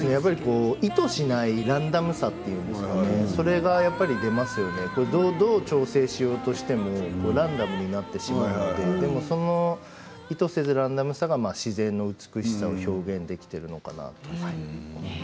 意図しないランダムさというのですかそれがやっぱり出ますのでどう調整しようとしてもランダムになってしまいますので意図せずランダムさが自然の美しさを表現できているのかなと思います。